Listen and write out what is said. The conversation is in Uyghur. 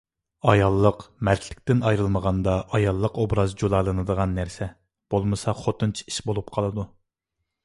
ئاياللىق مەردلىكتىن ئايرىلمىغاندا ئاياللىق ئوبراز جۇلالىنىدىغان نەرسە. بولمىسا خوتۇنچە ئىش بولۇپ قالىدۇ.